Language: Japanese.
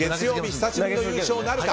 久しぶりの優勝なるか。